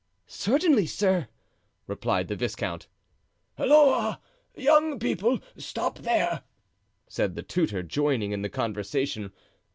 "Certainly, sir," replied the viscount. "Holloa! young people—stop there!" said the tutor, joining in the conversation.